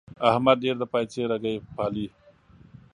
احمد ډېر د پايڅې رګی پالي.